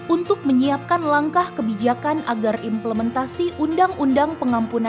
untuk menyiapkan langkah kebijakan agar implementasi undang undang pengampunan